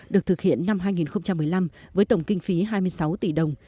được thực hiện năm hai nghìn một mươi năm với tổng kinh phí hai mươi sáu tỷ đồng